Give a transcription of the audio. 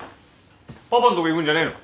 パパんとこ行くんじゃねえの？